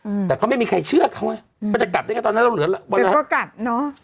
อืมแต่เขาไม่มีใครเชื่อเขาไงว่าจะกลับได้ไงตอนนั้นเราเหลือเวลาเรากลับเนอะ